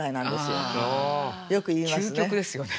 よく言いますね。